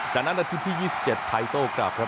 จากนั้นนาทีที่๒๗ไทยโต้กลับครับ